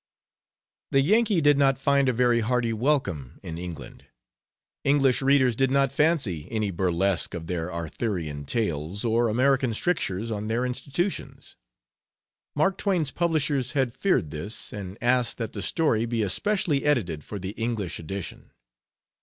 The Yankee did not find a very hearty welcome in England. English readers did not fancy any burlesque of their Arthurian tales, or American strictures on their institutions. Mark Twain's publishers had feared this, and asked that the story be especially edited for the English edition.